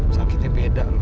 sakitnya beda lo